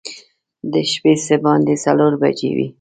د شپې څه باندې څلور بجې وې.